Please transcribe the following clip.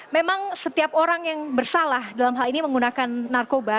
memang setiap orang yang bersalah dalam hal ini menggunakan narkoba